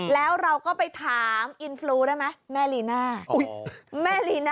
และเราก็ไปถาม